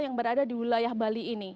yang berada di wilayah bali ini